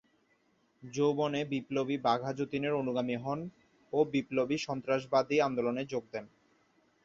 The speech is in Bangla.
যৌবনে বিপ্লবী বাঘা যতীনের অনুগামী হন ও বিপ্লবী সন্ত্রাসবাদী আন্দোলনে যোগ দেন।